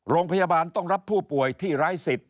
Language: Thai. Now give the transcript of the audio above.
โรงพยาบาลต้องรับผู้ป่วยที่ไร้สิทธิ